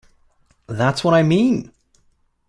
That's what I mean!